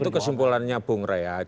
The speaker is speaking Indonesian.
itu kesimpulannya bung raya aja